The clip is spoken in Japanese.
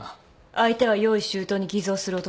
相手は用意周到に偽造する男。